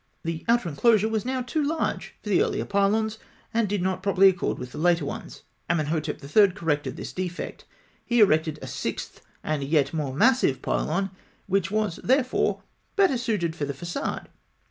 The outer enclosure was now too large for the earlier pylons, and did not properly accord with the later ones. Amenhotep III. corrected this defect. He erected a sixth and yet more massive pylon, which was, therefore, better suited for the façade.